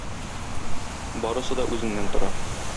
Барысы да үзеңнән тора.